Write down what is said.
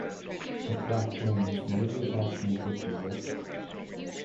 The crack ends near the attachment with the yoke.